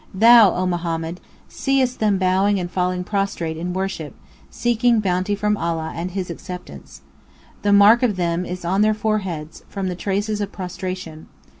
Thou (O Muhammad) seest them bowing and falling prostrate (in worship), seeking bounty from Allah and (His) acceptance. The mark of them is on their foreheads from the traces of prostration.